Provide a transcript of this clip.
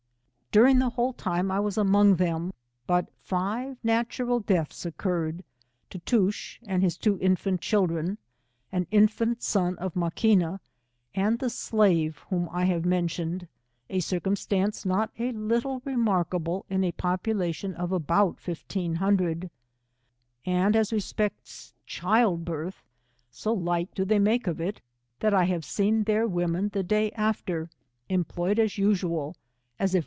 During the whole time I was among them, but five natural deaths occurred, Tootoosch and his two infant children, an infant son of Maquina, and the slave whom I have mentioned, a circumstance not a little remarkable in a population of about fifteen hundred; and as respects child birth, so light do they make of it, that I have seen their women the day after, employed as usual, as if